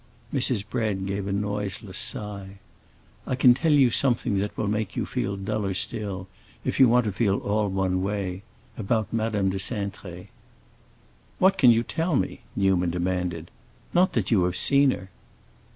Mrs. Bread gave a noiseless sigh. "I can tell you something that will make you feel duller still, if you want to feel all one way. About Madame de Cintré." "What can you tell me?" Newman demanded. "Not that you have seen her?"